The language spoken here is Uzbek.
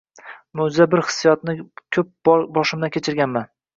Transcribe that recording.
mo»jzaviy bir hissiyotni ko’p bor boshimdan kechirganman.